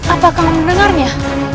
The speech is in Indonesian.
apakah kamu dengarnya